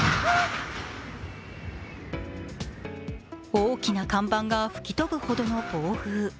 大きな看板が吹き飛ぶほどの暴風。